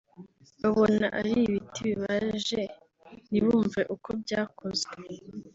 Babona ari ibiti bibaje ntibumve uko byakozwe